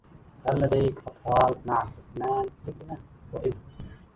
هل لديك أطفال؟ "نعم، اثنان، ابنة و إبن".